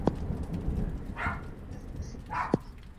سالم ذهن ځواک نه ځنډوي.